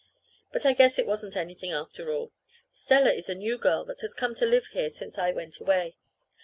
But I guess it wasn't anything, after all. Stella is a new girl that has come here to live since I went away.